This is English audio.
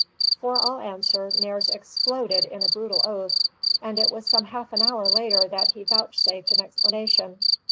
For all answer, Nares exploded in a brutal oath; and it was some half an hour later that he vouchsafed an explanation.